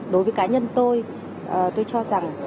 đối với cá nhân tôi tôi cho rằng